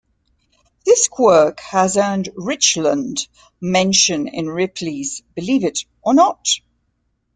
This quirk has earned Richland mention in Ripley's Believe It or Not!